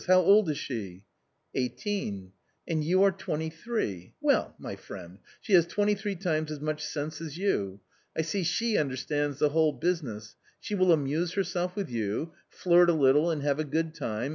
How old is she ? n u Eighteen." "And you are twenty three; well, my friend, she has twenty three times as much sense as you. I see she under stands the whole business : s he will amuse her self wit h you , flirt a little and have a good time